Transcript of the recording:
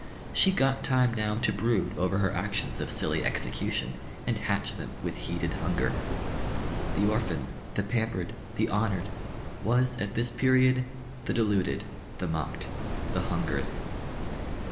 She got time now to brood over her actions of silly execution and hatch them with heated hunger. The orphan, the pampered, the honoured was at this period the deluded, the mocked, the hungered.